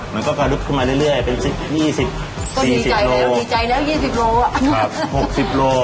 มันก็กระดุกขึ้นมาเรื่อยเป็น๒๐๔๐โล